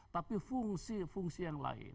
tapi fungsi fungsi yang lain